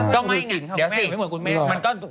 ก็ไม่ไงเดี๋ยวสิ